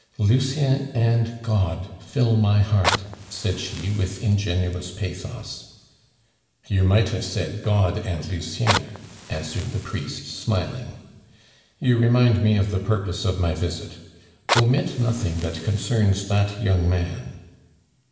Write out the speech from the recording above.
"Lucien and God fill my heart," said she with ingenuous pathos. "You might have said God and Lucien," answered the priest, smiling. "You remind me of the purpose of my visit. Omit nothing that concerns that young man."